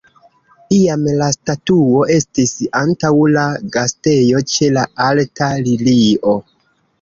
Iam la statuo estis antaŭ la Gastejo ĉe la alta lilio.